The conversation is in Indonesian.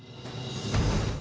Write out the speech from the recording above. dan itu yang akan berjalan